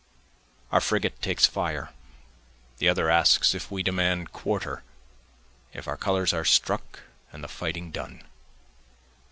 Our frigate takes fire, The other asks if we demand quarter? If our colors are struck and the fighting done?